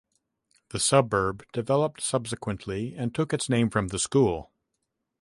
The suburb developed subsequently and took its name from the school.